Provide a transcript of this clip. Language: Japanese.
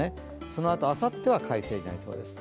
そのあと、あさっては快晴になりそうです。